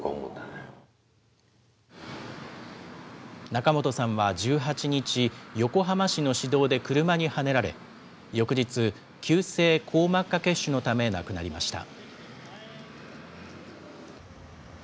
仲本さんは１８日、横浜市の市道で車にはねられ、翌日、急性硬膜下血腫のため、亡くなりました。